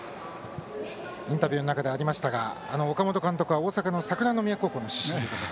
インタビューの中でありましたが岡本監督は大阪の桜宮高校の出身で。